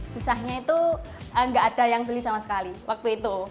susahnya itu nggak ada yang beli sama sekali waktu itu